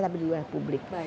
tapi di wilayah publik